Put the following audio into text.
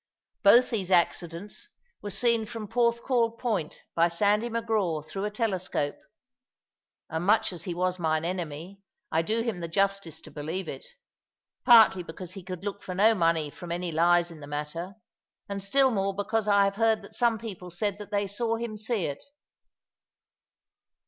Both these accidents were seen from Porthcawl Point by Sandy Macraw through a telescope: and much as he was mine enemy, I do him the justice to believe it; partly because he could look for no money from any lies in the matter, and still more because I have heard that some people said that they saw him see it.